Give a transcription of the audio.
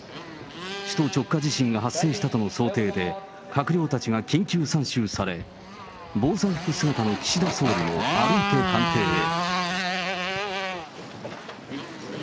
首都直下地震が発生したとの想定で、閣僚たちが緊急参集され、防災服姿の岸田総理も歩いて官邸へ。